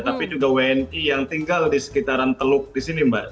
tapi juga wni yang tinggal di sekitaran teluk di sini mbak